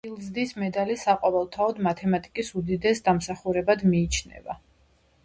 ფილდზის მედალი საყოველთაოდ მათემატიკის უდიდეს დამსახურებად მიიჩნევა.